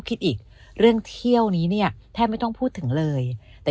คิดอีกเรื่องเที่ยวนี้เนี่ยแทบไม่ต้องพูดถึงเลยแต่